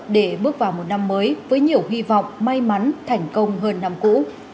để bước vào một năm mới với nhiều hy vọng may mắn thành công hơn năm cũ